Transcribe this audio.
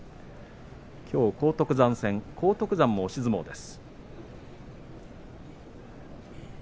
きょう荒篤山戦荒篤山も押し相撲です。